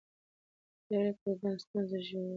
د پرېکړو ځنډ ستونزې ژوروي